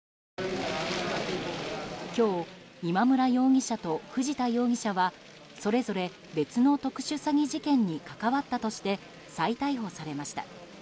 今日、今村容疑者と藤田容疑者はそれぞれ別の特殊詐欺事件に関わったとして再逮捕されました。